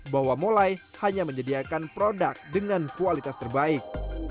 bahwa molai hanya menyediakan produk dengan kualitas terbaik